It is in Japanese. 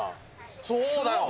そうだよ。